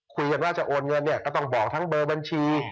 คุยกันว่าจะโอนเงินเนี่ยก็ต้องบอกทั้งเบอร์บัญชี